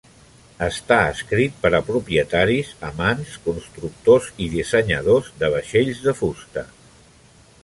Està escrit per a propietaris, amants, constructors i dissenyadors de vaixells de fusta.